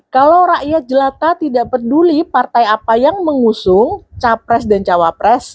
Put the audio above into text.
kalau rakyat jelata tidak peduli partai apa yang mengusung capres dan cawapres